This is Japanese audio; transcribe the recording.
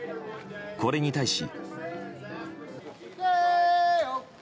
これに対し。